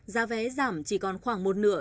giá vé giảm chỉ còn khoảng một nửa